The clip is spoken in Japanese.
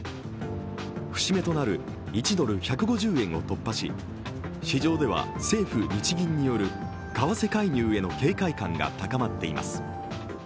節目となる１ドル＝１５０円を突破し市場では政府・日銀による為替介入への警戒感が高まっています。